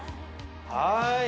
はい。